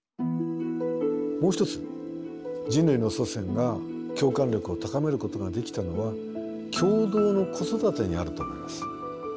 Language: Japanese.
もう一つ人類の祖先が共感力を高めることができたのは共同の子育てにあると思います。